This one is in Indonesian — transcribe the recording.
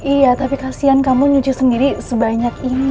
iya tapi kasian kamu nyuci sendiri sebanyak ini